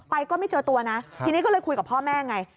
ก็ไม่เจอตัวนะทีนี้ก็เลยคุยกับพ่อแม่ไง